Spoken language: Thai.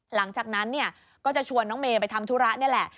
หลังจากนั้นเนี่ยก็จะชวนน้องเมย์ไปทำธุระนี่แหละ